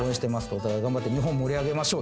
「お互い頑張って日本盛り上げましょう！」